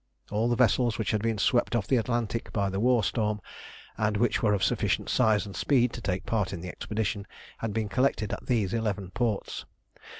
All the vessels which had been swept off the Atlantic by the war storm, and which were of sufficient size and speed to take part in the expedition, had been collected at these eleven ports.